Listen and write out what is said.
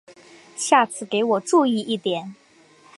下次给我注意一点！